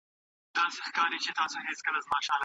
مېړنيو له ډېر پخوا څخه د حق ناره پورته کوله.